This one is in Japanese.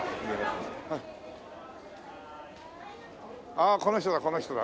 ああこの人だこの人だ。